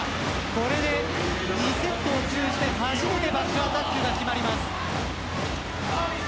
これで２セットを通じて初めてバックアタックが決まります。